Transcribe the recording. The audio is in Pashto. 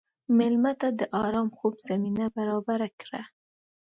مېلمه ته د ارام خوب زمینه برابره کړه.